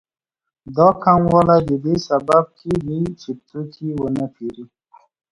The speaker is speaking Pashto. دا کموالی د دې سبب کېږي چې توکي ونه پېري